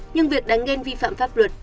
nhưng việc đánh ghen vi phạm pháp luật